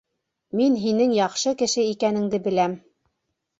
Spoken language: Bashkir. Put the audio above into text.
Мин һинең яҡшы кеше икәненде беләм.